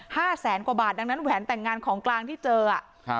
แสนกว่าบาทดังนั้นแหวนแต่งงานของกลางที่เจออ่ะครับ